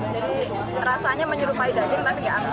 jadi rasanya menyerupai daging tapi tidak amis